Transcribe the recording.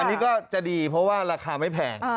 อันนี้ก็จะดีเพราะว่าราคาไม่แพง